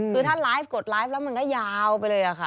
คือถ้าไลฟ์กดไลฟ์แล้วมันก็ยาวไปเลยค่ะ